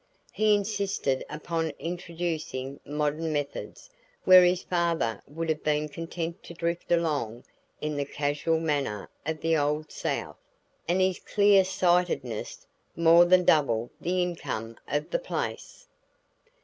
He insisted upon introducing modern methods where his father would have been content to drift along in the casual manner of the old South, and his clear sightedness more than doubled the income of the place.